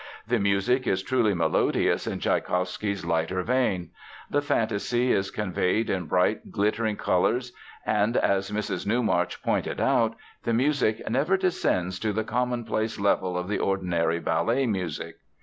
The music is truly melodious in Tschaikowsky's lighter vein. The fantasy is conveyed in bright, glittering colors, and, as Mrs. Newmarch pointed out, the music "never descends to the commonplace level of the ordinary ballet music."